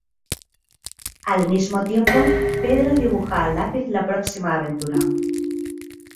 Al mismo tiempo, Pedro dibuja a lápiz la próxima aventura.